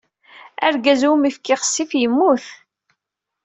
Argaz umi fkiɣ ssif, yemmut.